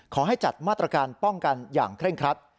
ขอให้จัดมาตรการป้องกันอย่างเคร่งครัด